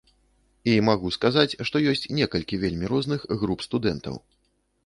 І магу сказаць, што ёсць некалькі вельмі розных груп студэнтаў.